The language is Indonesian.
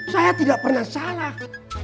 saya tidak pernah salah